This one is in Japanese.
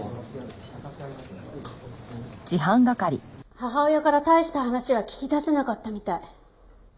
母親から大した話は聞き出せなかったみたい。